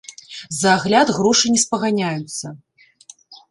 За агляд грошы не спаганяюцца.